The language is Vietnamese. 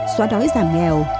xóa đói giảm nghèo